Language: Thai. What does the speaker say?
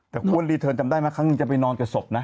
แต่อ้วนรีเทิร์นจำได้ไหมครั้งหนึ่งจะไปนอนกับศพนะ